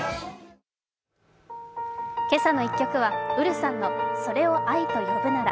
「けさの１曲」はＵｒｕさんの「それを愛と呼ぶなら」。